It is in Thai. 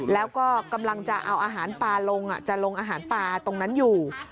แล้วก็กำลังจะเอาอาหารปลาลงจะลงอาหารปลาตรงนั้นอยู่